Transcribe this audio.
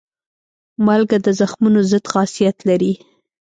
مالګه د زخمونو ضد خاصیت لري.